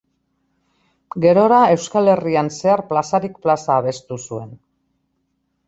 Gerora Euskal Herrian zehar plazarik plaza abestu zuen.